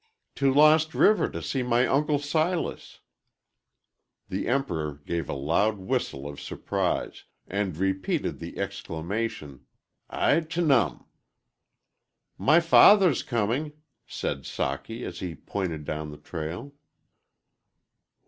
"To Lost River, to see my Uncle Silas." The Emperor gave a loud whistle of surprise, and repeated the exclamation "I tnum!" "My father's coming," said Socky, as he pointed down the trail.